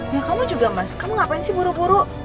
ya kamu juga masuk kamu ngapain sih buru buru